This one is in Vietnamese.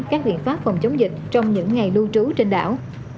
các biện pháp phòng chống dịch trong những ngày lưu trú trên đảo